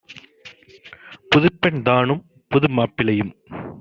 புதுப்பெண் தானும் புதுமாப் பிளையும்